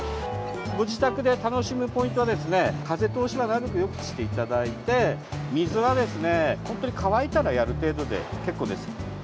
ご自宅で楽しむポイントは風通しはなるべくよくしていただいて水は、本当に乾いたらやる程度で結構です。